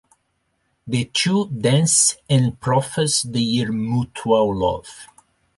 The two dance and profess their mutual love.